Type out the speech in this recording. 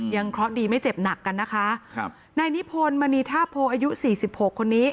เคราะห์ดีไม่เจ็บหนักกันนะคะครับนายนิพนธ์มณีท่าโพอายุสี่สิบหกคนนี้